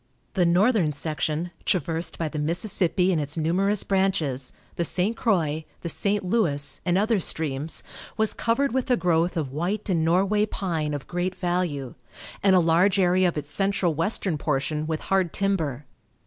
The northern section, traversed by the Mississippi and its numerous branches, the St. Croix, the St. Louis, and other streams, was covered with a growth of white and Norway pine of great value, and a large area of its central western portion with hard timber.